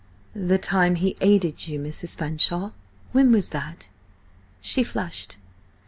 "The time he aided you, Mrs. Fanshawe, when was that?" She flushed.